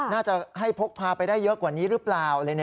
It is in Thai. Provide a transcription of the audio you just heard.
น่าจะให้พกพาไปได้เยอะกว่านี้หรือเปล่า